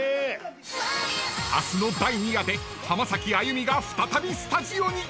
［明日の第２夜で浜崎あゆみが再びスタジオに］